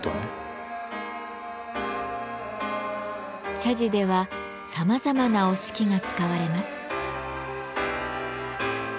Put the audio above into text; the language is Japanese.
茶事ではさまざまな折敷が使われます。